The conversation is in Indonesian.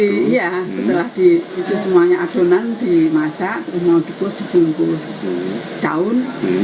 iya setelah itu semuanya adonan dimasak mau dikus dibungkus daun